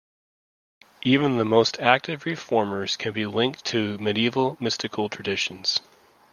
Even the most active reformers can be linked to Medieval mystical traditions.